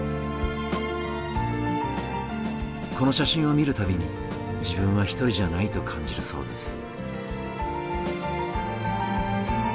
この写真を見る度に自分は一人じゃないと感じるそうです。